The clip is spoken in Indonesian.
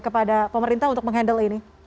kepada pemerintah untuk menghandle ini